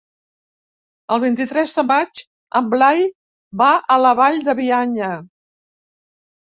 El vint-i-tres de maig en Blai va a la Vall de Bianya.